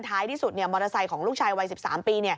ท้ายที่สุดมอเตอร์ไซค์ของลูกชายวัย๑๓ปี